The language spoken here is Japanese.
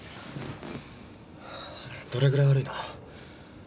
どれぐらい悪いの？